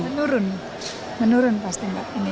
menurun menurun pasti mbak